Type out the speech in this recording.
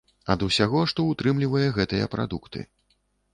Ад усяго, што ўтрымлівае гэтыя прадукты.